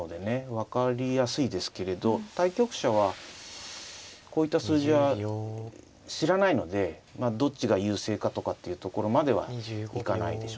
分かりやすいですけれど対局者はこういった数字は知らないのでどっちが優勢かとかっていうところまではいかないでしょうね。